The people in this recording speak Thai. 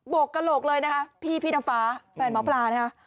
กระโหลกเลยนะคะพี่พี่น้ำฟ้าแฟนหมอปลานะคะ